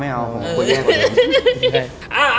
ไม่เอาว่าผมแก่อย่างนี้